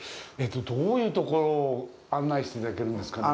どういうところを案内していただけるんですかね。